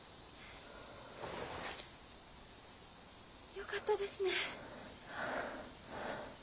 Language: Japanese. よかったですね。